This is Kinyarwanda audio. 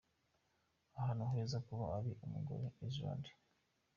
Ahantu heza kuba uri umugore : Iceland.